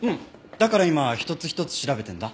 だから今一つ一つ調べてるんだ。